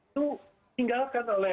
itu tinggalkan oleh